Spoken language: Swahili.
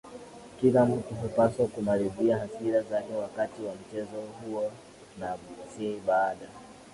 Kila mtu hupaswa kumalizia hasira zake wakati wa mchezo huo na si baada